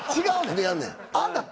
違うねん。